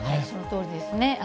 そのとおりですね。